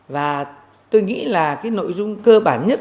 và tôi nghĩ là cái nội dung cơ bản nhất